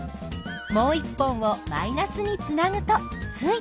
もう１本をマイナスにつなぐとついた。